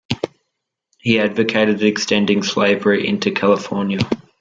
He advocated extending slavery into California.